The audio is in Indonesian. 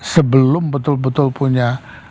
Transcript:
sebelum betul betul punya